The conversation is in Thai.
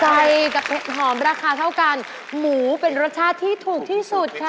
ไก่กับเห็ดหอมราคาเท่ากันหมูเป็นรสชาติที่ถูกที่สุดค่ะ